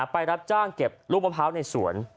ไปรับจ้างเก็บลูกมะพร้าวในสวน